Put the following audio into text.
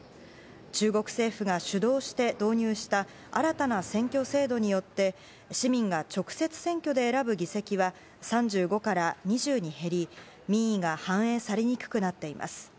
中国政府が主導して導入した新たな選挙制度によって市民が直接選挙で選ぶ議席は３５から２０に減り民意が反映されにくくなっています。